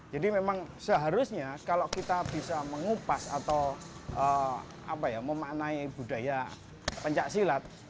jadi memang seharusnya kalau kita bisa mengupas atau memaknai budaya pencaksilat